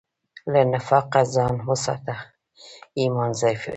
له نفاقه ځان وساته، ایمان ضعیفوي.